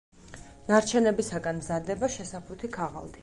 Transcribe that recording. ნარჩენებისაგან მზადდება შესაფუთი ქაღალდი.